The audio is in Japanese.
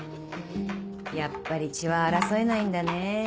やっぱり血は争えないんだねぇ。